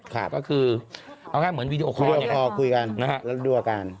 ก็คือเอาง่ายเหมือนวีดีโอคอร์